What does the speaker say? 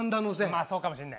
まあそうかもしんない。